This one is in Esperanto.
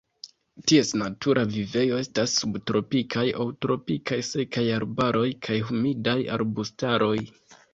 Ties natura vivejo estas subtropikaj aŭ tropikaj sekaj arbaroj kaj humidaj arbustaroj.